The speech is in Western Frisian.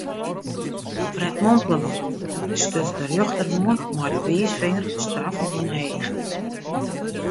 Fred mompele wat en stuts de rjochterhân mei de wiisfinger bestraffend omheech.